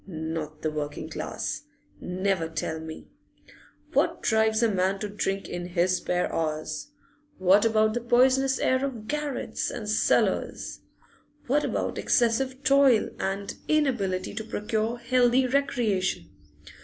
Not the working class never tell me! What drives a man to drink in his spare hours? What about the poisonous air of garrets and cellars? What about excessive toil and inability to procure healthy recreation?